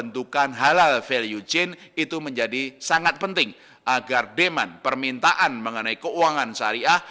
dan halal value chain itu menjadi sangat penting agar demand permintaan mengenai keuangan syariah